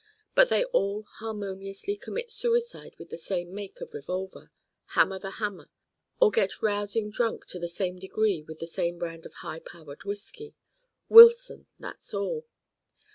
But they all harmoniously commit suicide with the same make of Revolver hammer the hammer or get rousing drunk to the same degree with the same brand of high powered whiskey Wilson, that's all.